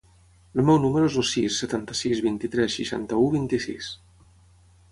El meu número es el sis, setanta-sis, vint-i-tres, seixanta-u, vint-i-sis.